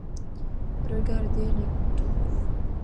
Regardez les couteaux.